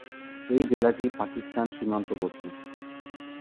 এই জেলাটি পাকিস্তান সীমান্তবর্তী।